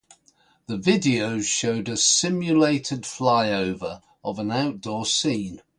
The videos showed a simulated flyover of an outdoor scene.